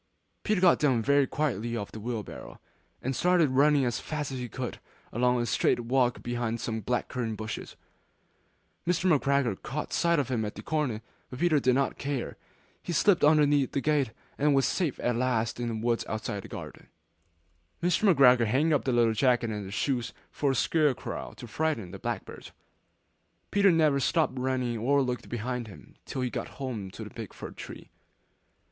Peter got down very quietly off the wheelbarrow; and started running as fast as he could go, along a straight walk behind some black currant bushes. Mr. McGregor caught sight of him at the corner, but Peter did not care. He slipped underneath the gate, and was safe at last in the wood outside the garden. Mr. McGregor hung up the little jacket and the shoes for a scare crow to frighten the blackbirds. Peter never stopped running or looked behind him till he got home to the big fir tree.